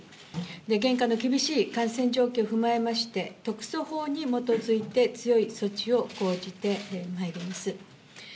現下の厳しい感染状況を踏まえ特措法に基づいて強い措置を講じてまいります。